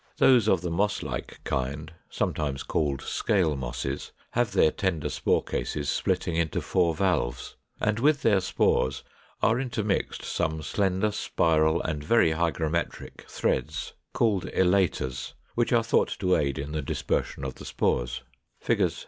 Those of the moss like kind (sometimes called Scale Mosses) have their tender spore cases splitting into four valves; and with their spores are intermixed some slender spiral and very hygrometric threads (called Elaters) which are thought to aid in the dispersion of the spores.